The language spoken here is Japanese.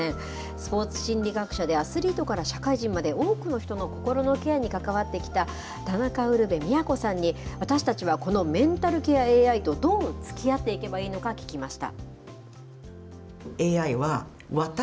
スポーツ心理学者で、アスリートから社会人まで多くの人の心のケアに関わってきた田中ウルヴェ京さんに、私たちはこのメンタルケアＡＩとどうつきあっていけばいいのか聞きました。